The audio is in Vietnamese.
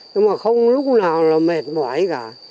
nhưng mà không lúc nào là mệt mỏi cả